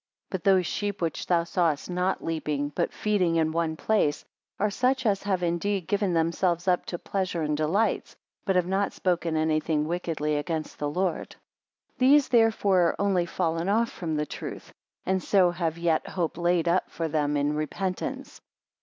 14 But those sheep which thou sawest not leaping, but feeding in one place; are such as have indeed given themselves up to pleasure and delights; but have not spoken anything wickedly against the Lord. 15 These therefore are only fallen off from the truth, and so have yet hope laid up for them in repentance.